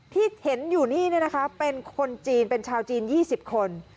ที่เห็นอยู่นี่เป็นคนจีนเป็นชาวจีน๒๐คน